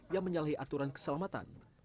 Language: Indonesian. yang menyalahi aturan keselamatan